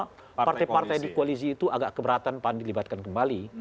karena partai partai di koalisi itu agak keberatan pan dilibatkan kembali